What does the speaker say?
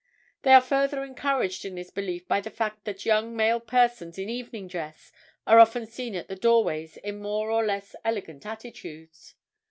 They are further encouraged in this belief by the fact that young male persons in evening dress are often seen at the doorways in more or less elegant attitudes.